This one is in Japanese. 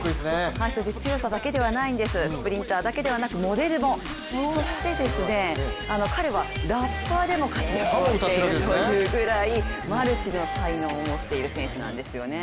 強さだけではないんです、スプリンターだけではなく、モデルも、そして、彼はラッパーでも活躍しているというぐらいマルチの才能を持っている選手なんですね。